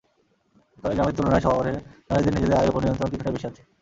তবে গ্রামের তুলনায় শহুরে নারীদের নিজেদের আয়ের ওপর নিয়ন্ত্রণ কিছুটা বেশি আছে।